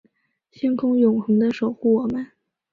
星空永恒的守护我们